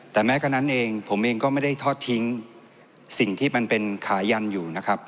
แต่แม้กระนั้นเองผมเองก็ไม่ได้ทอดทิ้งสิ่งที่มันเป็นขายันอยู่นะครับ